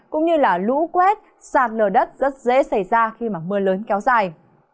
cũng như là lũ quét sạt lở đất rất dễ xảy ra khi mà mưa lớn kéo dài